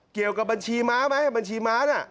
เกี่ยวกับบัญชีม้าไหมบัญชีม้าน่ะ